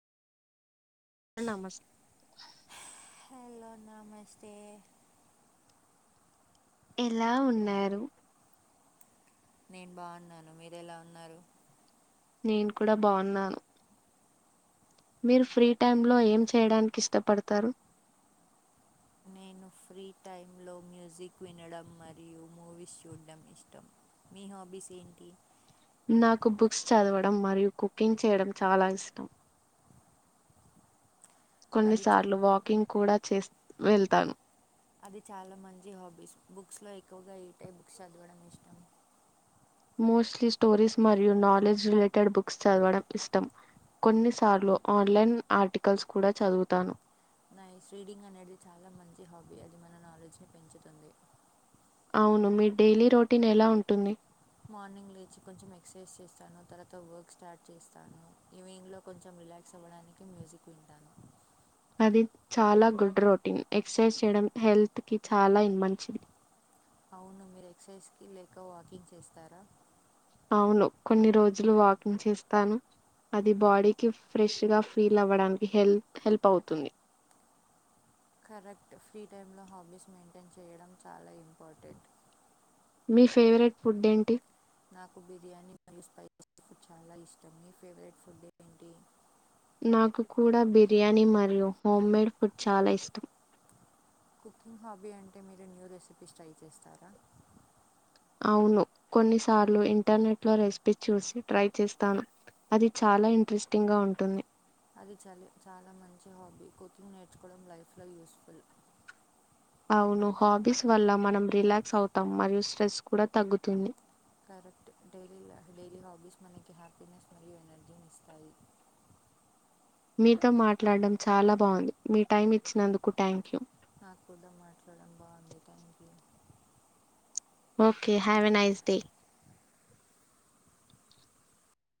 నమస్తే హలో నమస్తే ఎలా ఉన్నారు నేను బాగున్నాను మీరు ఎలా ఉన్నారు నేను కూడా బాగున్నాను మీరు ఫ్రీ టైమ్ లో ఏం చేయడానికి ఇష్టపడతారు నేను ఫ్రీ టైంలో మ్యూజిక్ వినడం మరియు మూవీస్ చూడడం ఇష్టం మీ హాబీస్ ఏంటి నాకు బుక్స్ చదవడం మరియు కుకింగ్ చేయడం చాలా ఇష్టం అది చ కొన్నిసార్లు వాకింగ్ కూడా చే వెళ్తాను అది చాలా మంచి హాబీస్ బుక్స్లో ఎక్కువగా ఈట్ టైప్ బుక్స్ చదవడం ఇష్టం మోస్ట్లీ స్టోరీస్ మరియు నాలెడ్జ్ రిలేటెడ్ బుక్స్ చదవడం ఇష్టం కొన్నిసార్లు ఆన్లైన్ ఆర్టికల్స్ కూడా చదువుతాను ఇది మన నాలెడ్జ్ని పెంచుతుంది అవును మీ డైలీ రొటీన్ ఎలా ఉంటుంది మార్నింగ్ లేచి కొంచెం ఎక్సర్సైజ్ చేస్తాను తర్వాత వర్క్ స్టార్ట్ చేస్తాను ఈవినింగ్లో కొంచెం రిలాక్స్ అవ్వడానికి మ్యూజిక్ వింటాను అది చాలా గుడ్ రొటీన్ ఎక్సర్సైజ్ చేయడం హెల్త్ కి చాలా మంచిది అవును మీరు ఎక్సర్సైజ్ లేక వాకింగ్ చేస్తారా అవును కొన్ని రోజులు వాకింగ్ చేస్తాను అది బాడీకి ఫ్రెష్గా ఫీల్ అవ్వడానికి హెల్త్ హెల్ప్ అవుతుంది కరెక్ట్ ఫ్రీ టైంలో హాబీస్ మెయింటైన్ చేయడం చాలా ఇంపార్టెంట్ మీ ఫేవరెట్ ఫుడ్ ఏంటి నాకు బిర్యానీ మరియు స్పైసీ ఫుడ్ చాలా ఇష్టం మీ ఫేవరెట్ ఫుడ్ ఏంటి నాకు కూడా బిర్యానీ మరియు హోమ్మేడ్ ఫుడ్ చాలా ఇష్టం కుకింగ్ హాబీ అంటే మీరు న్యూ రెసిపీస్ ట్రై చేస్తారా అవును కొన్నిసార్లు ఇంటర్నెట్ లో రెసిపీ చూసి ట్రై చేస్తాను అది చాలా ఇంట్రెస్టింగ్గా ఉంటుంది అది చాల చాలా మంచి హాబీ కుకింగ్ నేర్చుకోవడం లైఫ్లో యూస్ఫుల్ అవును హాబీస్ వల్ల మనం రిలాక్స్ అవుతాం మరియు స్ట్రెస్ కూడా తగ్గుతుంది కరెక్ట్ డై డైలీ హాబీస్ మనకి హ్యాపీనెస్ మరియు ఎనర్జీని ఇస్తాయి మీతో మాట్లాడడం చాలా బాగుంది మీ టైం ఇచ్చినందుకు థ్యాంక్ యూ నా కూడా మాట్లాడడం బాగుంది thank you okay have a nice day